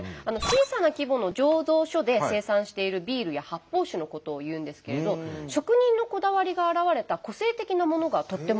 小さな規模の醸造所で生産しているビールや発泡酒のことをいうんですけれど職人のこだわりが表れた個性的なものがとっても多いんですね。